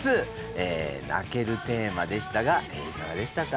「泣ける」テーマでしたがいかがでしたか？